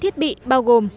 bốn thiết bị bao gồm